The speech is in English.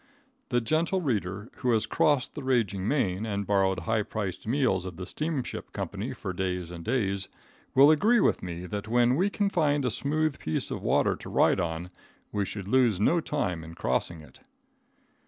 The gentle reader who has crossed the raging main and borrowed high priced meals of the steamship company for days and days, will agree with me that when we can find a smooth piece of water to ride on we should lose no time in crossing it.